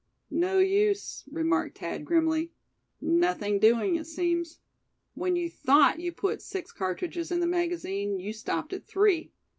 "No use," remarked Thad, grimly; "nothing doing, it seems. When you thought you put six cartridges in the magazine, you stopped at three.